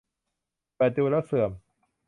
เปิดดูแล้วเสื่อม